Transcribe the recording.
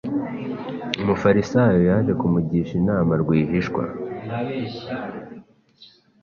Umufarisayo Yaje kumugisha inama rwihishwa,